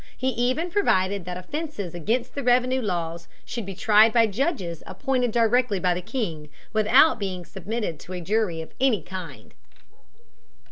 He even provided that offences against the revenue laws should be tried by judges appointed directly by the king, without being submitted to a jury of any kind.